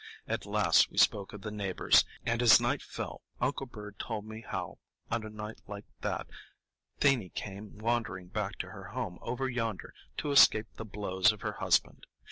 At last we spoke of the neighbors, and as night fell, Uncle Bird told me how, on a night like that, 'Thenie came wandering back to her home over yonder, to escape the blows of her husband.